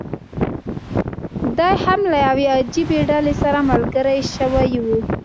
دی هم له یوې عجیبي ډلې سره ملګری شوی و.